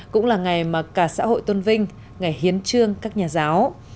cũng là ngày mà cả xã hội tôn vinh ngày hiến trương các nhà giáo